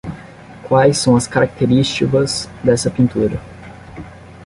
Quais são as característivas dessa pintura.